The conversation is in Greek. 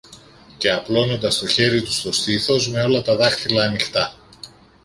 και απλώνοντας το χέρι του στο στήθος με όλα τα δάχτυλα ανοιχτά.